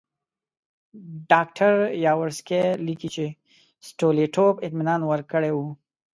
ډاکټر یاورسکي لیکي چې ستولیټوف اطمینان ورکړی وو.